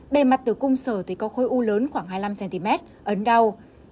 bề mặt từ cung sở thì có khối u lớn khoảng hai mươi năm cm ấn đau